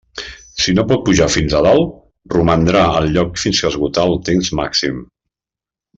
Si no pot pujar fins a dalt, romandrà al lloc fins a esgotar el temps màxim.